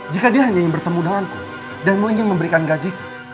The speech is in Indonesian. jika dia hanya ingin bertemu denganku dan mau ingin memberikan gajiku